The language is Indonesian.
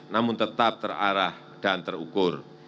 namun tetap terarah dan terukur